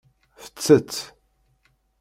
Tettett.